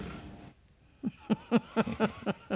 フフフフ。